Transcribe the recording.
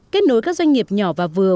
kết nối các doanh nghiệp nhỏ và vừa